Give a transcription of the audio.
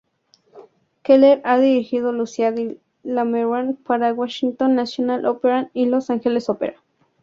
Keller ha dirigido Lucia di Lammermoor para Washington National Opera y Los Angeles Opera.